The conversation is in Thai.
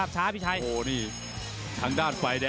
มาอีกแล้วมัดซ้าย